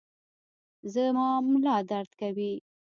زما ملا درد کوي